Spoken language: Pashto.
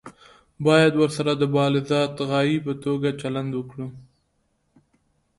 باید ورسره د بالذات غایې په توګه چلند وکړو.